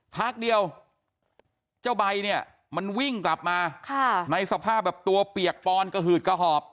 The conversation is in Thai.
พักเดียวเจ้าใบเนี่ยมันวิ่งกลับมาในสภาพแบบตัวเปียกปอนกระหืดกระหอบ